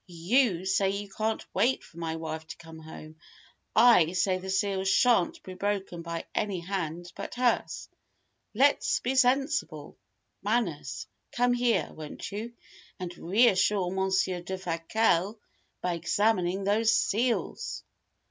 You say you can't wait for my wife to come home. I say the seals shan't be broken by any hand but hers. Let's be sensible! Manners, come here, won't you, and reassure Monsier Defasquelle by examining these seals!"